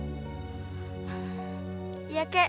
lemparkanlah pasir itu kalau ada apa apa